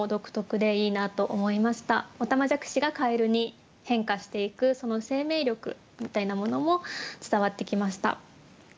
おたまじゃくしがかえるに変化していくその生命力みたいなものも伝わってきました。